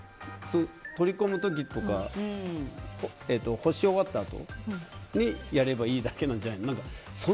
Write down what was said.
取り込む時とか干し終わったあとにやればいいだけなんじゃないの。